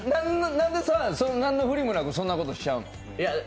なんで何の振りもなくそんなことしちゃうの？